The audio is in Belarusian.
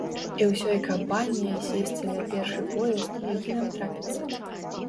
І ўсёй кампаніяй сесці на першы поезд, які нам трапіцца.